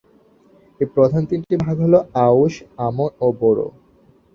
এই প্রধান তিনটি ভাগ হল আউশ, আমন ও বোরো।